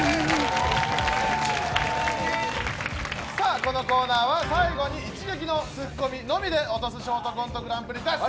このコーナーは最後に一撃のツッコミのみで落とすショートコントグランプリです。